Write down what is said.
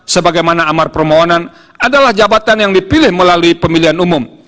sebagaimana amar permohonan adalah jabatan yang dipilih melalui pemilihan umum